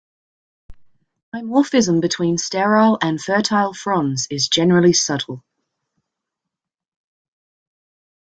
Dimorphism between sterile and fertile fronds is generally subtle.